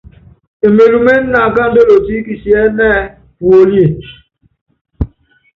Imelúmené naakáandú olotí kisiɛ́nɛ́ puólíe.